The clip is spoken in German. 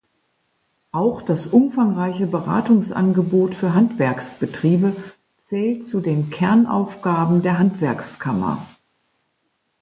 Auch das umfangreiche Beratungsangebot für Handwerksbetriebe zählt zu den Kernaufgaben der Handwerkskammer.